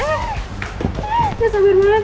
udah sabar banget